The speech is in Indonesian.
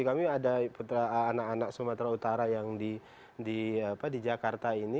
kami ada anak anak sumatera utara yang di jakarta ini